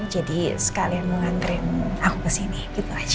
jadi sekalian mengantrin aku kesini gitu aja